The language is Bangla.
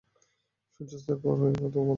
সূর্যাস্তের পর এই বনে ভালো কিছু হয়না।